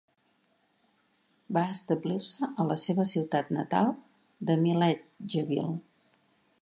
Va establir-se a la seva ciutat natal de Milledgeville.